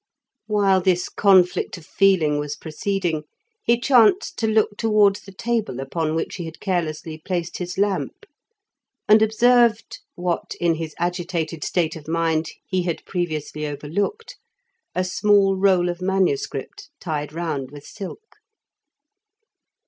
While this conflict of feeling was proceeding, he chanced to look towards the table upon which he had carelessly placed his lamp, and observed, what in his agitated state of mind he had previously overlooked, a small roll of manuscript tied round with silk.